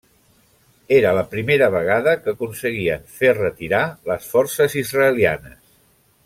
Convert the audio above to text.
Era la primera vegada que aconseguien fer retirar les forces israelianes.